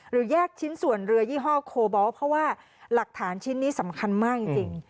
แยกชิ้นส่วนเรือยี่ห้อโคบอลเพราะว่าหลักฐานชิ้นนี้สำคัญมากจริง